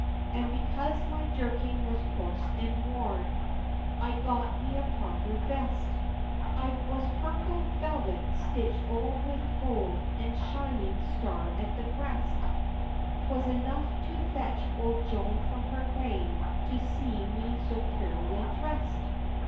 XXI. And because my jerking was coarse and worn, I got me a properer vest; It was purple velvet, stitch'd o'er with gold, And a shining star at the breast, 'Twas enough to fetch old Joan from her grave To see me so purely drest!